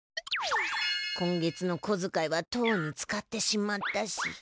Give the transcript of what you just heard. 今月のこづかいはとうに使ってしまったし。